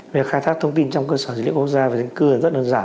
việc khai thác thông tin trong cơ sở dữ liệu quốc gia về dân cư rất đơn giản